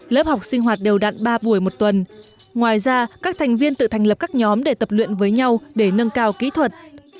lớp học sinh hoạt đều đặn ba buổi một tuần ngoài ra các thành viên tự thành lập các nhóm để tập luyện với nhau để nâng cao kỹ thuật